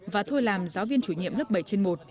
và thôi làm giáo viên chủ nhiệm lớp bảy trên một